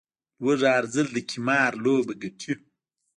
لوږه، هر ځل د قمار لوبه ګټي